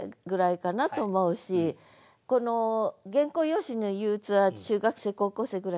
この「原稿用紙の憂鬱」は中学生高校生ぐらいかな。